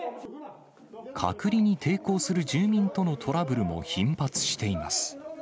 隔離に抵抗する住民とのトラブルも頻発しています。